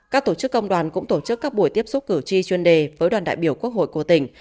các tổ chức công đoàn cũng tổ chức các buổi tiếp xúc cử tri chuyên đề với đoàn đại biểu quốc hội của tỉnh